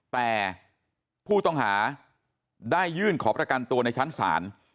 แต่ผู้ต้องหาได้ยื่นขอประกันตัวในชั้นศาล